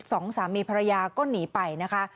สองสามีภรรยาก็หนีไปนะคะ